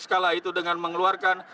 sekala itu dengan mengeluarkan